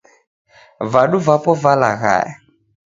Vadu vapo valaghaya